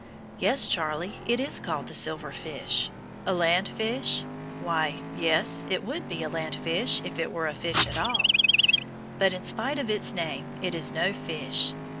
Yes, Charlie, it is called the silver fish. A land fish? Why, yes, it would be a land fish if it were a fish at all. But in spite of its name it is no fish.